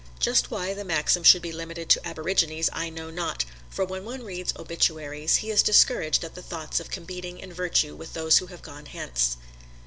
Just why the maxim should be limited to aborigines I know not, for when one reads obituaries he is discouraged at the thoughts of competing in virtue with those who have gone hence.